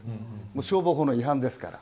消防法の違反ですから。